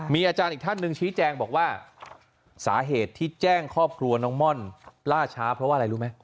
มีอาจารย์อีกท่านหนึ่งชี้แจงบอกว่าสาเหตุที่แจ้งครอบครัวน้องม่อนล่าช้าเพราะว่าอะไรรู้ไหม